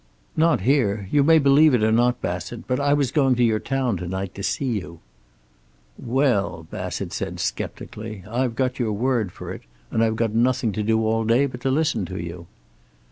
"Not here. You may believe it or not, Bassett, but I was going to your town to night to see you." "Well," Bassett said sceptically, "I've got your word for it. And I've got nothing to do all day but to listen to you."